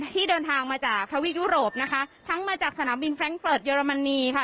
ที่เดินทางมาจากทวีปยุโรปนะคะทั้งมาจากสนามบินแร้งเฟิร์ตเยอรมนีค่ะ